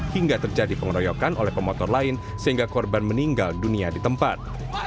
hingga terjadi pengeroyokan oleh pemotor lain sehingga korban meninggal dunia di tempat